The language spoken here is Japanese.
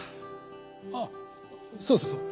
あそうそうそう。